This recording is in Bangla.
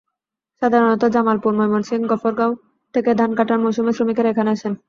সাধারণত জামালপুর, ময়মনসিংহ, গফরগাঁও থেকে ধান কাটার মৌসুমে শ্রমিকেরা এখানে আসেন।